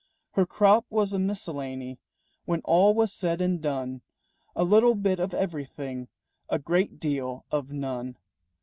Her crop was a miscellany When all was said and done, A little bit of everything, A great deal of none.